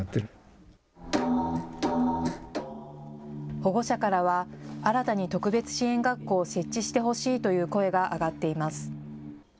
保護者からは新たに特別支援学校を設置してほしいという声が上がっています。